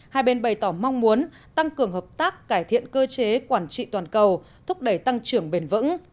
hai bên bày tỏ mong muốn tăng cường hợp tác cải thiện cơ chế quản trị toàn cầu thúc đẩy tăng trưởng bền vững